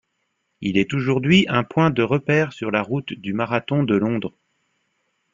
Il est aujourd’hui un point de repère sur la route du Marathon de Londres.